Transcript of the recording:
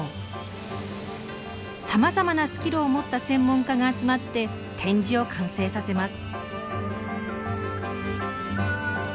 さまざまなスキルを持った専門家が集まって展示を完成させます。